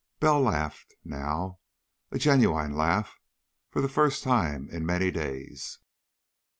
Bell laughed, now. A genuine laugh, for the first time in many days.